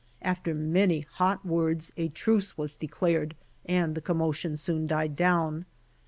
After many hot words, a truce was declared and the commotion soon died down.